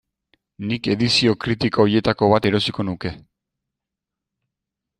Nik edizio kritiko horietako bat erosiko nuke.